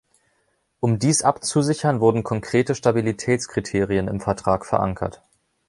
Um dies abzusichern, wurden konkrete Stabilitätskriterien im Vertrag verankert.